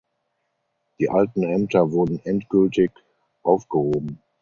Die alten Ämter wurden endgültig aufgehoben.